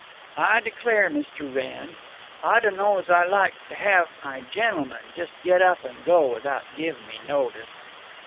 Ah declare, Mist' Wrenn, Ah dunno's Ah like to have my gennulmen just get up and go without giving me notice."